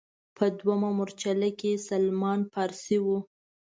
په دویمه مورچله کې سلمان فارسي و.